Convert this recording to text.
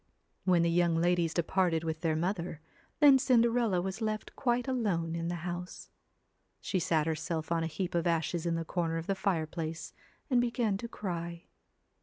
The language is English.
When the young ladies departed with their mother, then Cinderella was left quite alone in the house. She sat herself on a heap of ashes in the corner of the fireplace and began to cry.